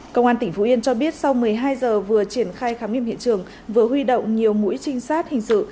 công an tỉnh phú yên cho biết sau một mươi hai giờ vừa triển khai khám nghiệm hiện trường vừa huy động nhiều mũi trinh sát hình sự